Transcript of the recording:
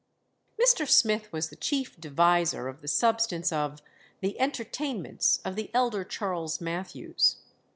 Mr. Smith was the chief deviser of the substance of the Entertainments of the elder Charles Mathews.